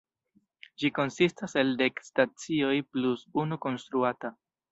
Ĝi konsistas el dek stacioj plus unu konstruata.